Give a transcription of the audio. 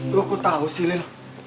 gue tau sih niel